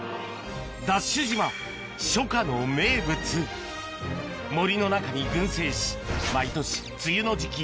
ＤＡＳＨ島初夏の名物森の中に群生し毎年梅雨の時季